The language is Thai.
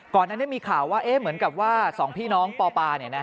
ก่อนนั้นมีข่าวว่าเหมือนกับว่า๒พี่น้องปป